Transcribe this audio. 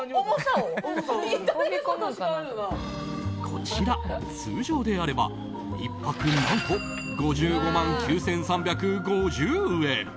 こちら、通常であれば１泊何と５５万９３５０円！